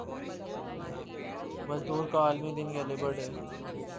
مزدور کا عالمی دن یا لیبر ڈے